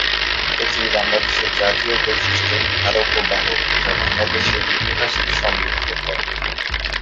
এটি বাংলাদেশের জাতীয় বৈশিষ্ট্যের ধারক ও বাহক যা বাংলাদেশের ইতিহাসকে সমৃদ্ধ করে।